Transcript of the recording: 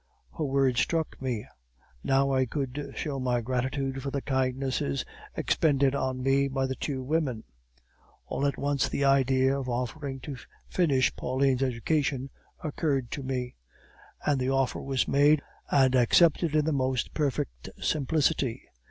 Her words struck me; now I could show my gratitude for the kindnesses expended on me by the two women; all at once the idea of offering to finish Pauline's education occurred to me; and the offer was made and accepted in the most perfect simplicity.